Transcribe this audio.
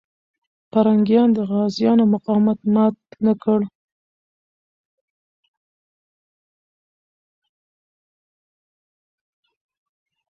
پرنګیان د غازيانو مقاومت مات نه کړ.